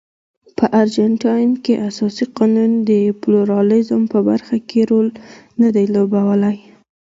په ارجنټاین کې اساسي قانون د پلورالېزم په برخه کې رول نه دی لوبولی.